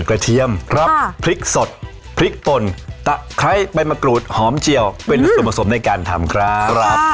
เทียมครับพริกสดพริกป่นตะไคร้ใบมะกรูดหอมเจียวเป็นส่วนผสมในการทำครับ